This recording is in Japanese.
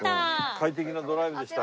快適なドライブでした。